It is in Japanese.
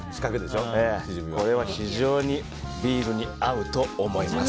これは非常にビールに合うと思います。